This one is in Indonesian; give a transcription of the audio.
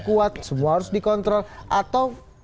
kuat semua harus dikontrol atau